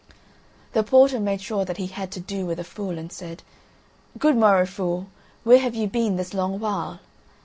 The porter made sure that he had to do with a fool and said: "Good morrow, fool, where have you been this long while?"